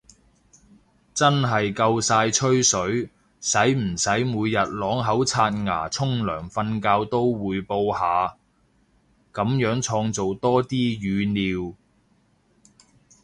真係夠晒吹水，使唔使每日啷口刷牙沖涼瞓覺都滙報下，噉樣創造多啲語料